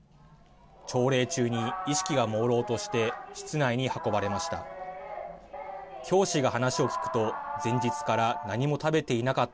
朝礼中に意識がもうろうとして室内に運ばれました。